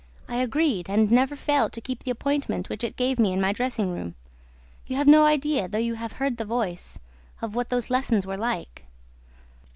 I agreed and never failed to keep the appointment which it gave me in my dressing room. You have no idea, though you have heard the voice, of what those lessons were like."